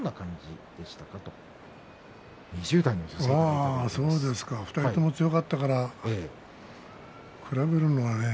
そうですか２人とも強かったから比べるのはね。